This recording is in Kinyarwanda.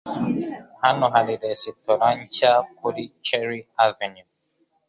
Hano hari resitora nshya kuri Cherry Avenue.